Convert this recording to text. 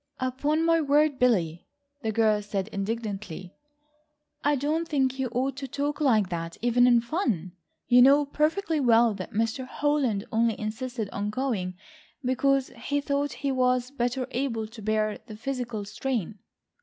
"Upon my word, Billy," the girl said indignantly, "I don't think you ought to talk like that even in fun. You know perfectly well that Mr. Holland only insisted on going because he thought he was better able to bear the physical strain."